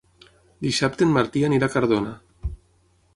Dissabte en Martí anirà a Cardona.